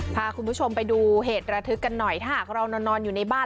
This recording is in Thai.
พาคุณผู้ชมไปดูเหตุระทึกกันหน่อยถ้าหากเรานอนอยู่ในบ้าน